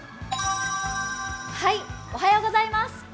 おはようございます。